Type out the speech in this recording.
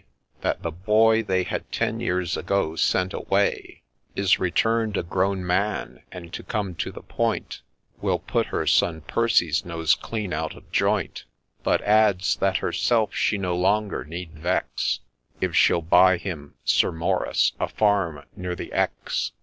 That the boy they had ten years ago sent away Is return'd a grown man, and, to come to the point, Will put her son Percy's nose clean out of joint, But adds, that herself she no longer need vex, If she'll buy him (Sir Maurice) a farm near the Ex.